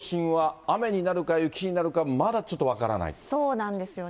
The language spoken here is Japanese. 東京都心は雨になるか雪になるか、そうなんですよね。